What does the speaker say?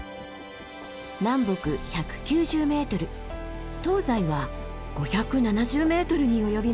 南北１９０ｍ東西は５７０ｍに及びます。